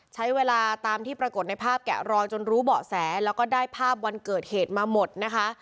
ใช้เวลาตามที่ปรากฏในภาพแกะรอยจนรู้เบาะแสแล้วก็ได้ภาพวันเกิดเหตุมาหมดนะคะ